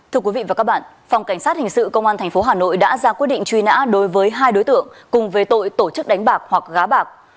thưa quý vị và các bạn phòng cảnh sát hình sự công an tp hà nội đã ra quyết định truy nã đối với hai đối tượng cùng về tội tổ chức đánh bạc hoặc gá bạc